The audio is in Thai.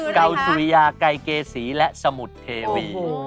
เกาสุยาไก่เกสีและสมุทเทวี